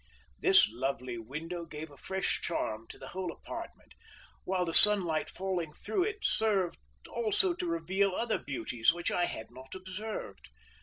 This lovely window gave a fresh charm to the whole apartment, while the sunlight falling through it served also to reveal other beauties which I had not observed.